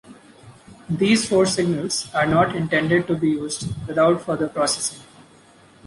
These four signals are not intended to be used without further processing.